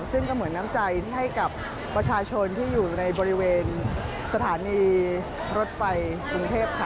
ซึ่งก็เหมือนน้ำใจให้กับประชาชนที่อยู่ในบริเวณสถานีรถไฟกรุงเทพค่ะ